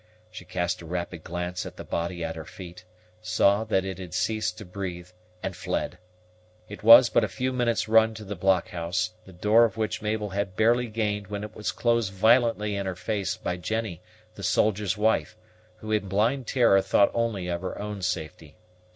She cast a rapid glance at the body at her feet, saw that it had ceased to breathe, and fled. It was but a few minutes' run to the blockhouse, the door of which Mabel had barely gained when it was closed violently in her face by Jennie, the soldier's wife, who in blind terror thought only of her own safety.